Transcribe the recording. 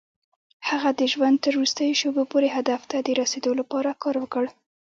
هغه د ژوند تر وروستيو شېبو پورې هدف ته د رسېدو لپاره کار وکړ.